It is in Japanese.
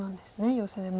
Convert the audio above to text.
ヨセでも。